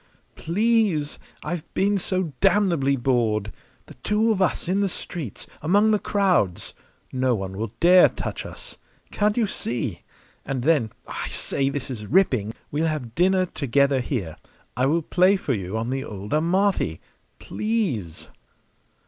"Please! I've been so damnably bored. The two of us in the streets, among the crowds! No one will dare touch us. Can't you see? And then I say, this is ripping! we'll have dinner together here. I will play for you on the old Amati. Please!"